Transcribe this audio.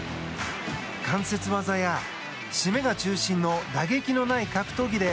関節技や締めが中心の打撃のない格闘技で